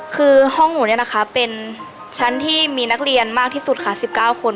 คือห้องหนูเนี่ยนะคะเป็นชั้นที่มีนักเรียนมากที่สุดค่ะ๑๙คน